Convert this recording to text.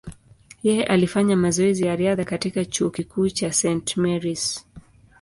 Yeye alifanya mazoezi ya riadha katika chuo kikuu cha St. Mary’s.